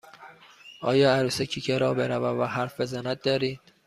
آیا عروسکی که راه برود و حرف بزند دارید؟